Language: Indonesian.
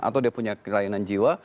atau dia punya kelainan jiwa